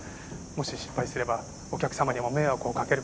もし失敗すればお客様にも迷惑をかける事になってしまう。